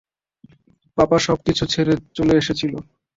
পাপা সব কিছু ছেড়ে চলে এসেছিল।